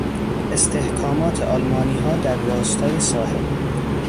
استحکامات آلمانیها در راستای ساحل